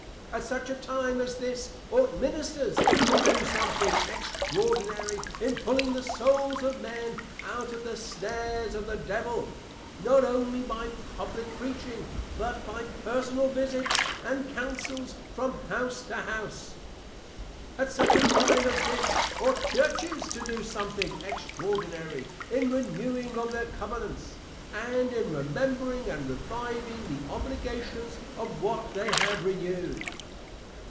At such a time as this ought Ministers to do something extraordinary in pulling the Souls of men out of the Snares of the Devil, not only by publick Preaching, but by personal Visits and Counsels, from house to house. At such a time as this ought Churches to do something extraordinary, in renewing of their Covenants, and in remembring, and reviving the Obligations of what they have renewed.